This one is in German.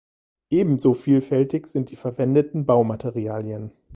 Ebenso vielfältig sind die verwendeten Baumaterialien.